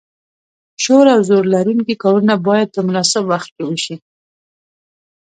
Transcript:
شور او زور لرونکي کارونه باید په مناسب وخت کې وشي.